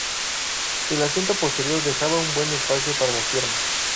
El asiento posterior dejaba un buen espacio para las piernas.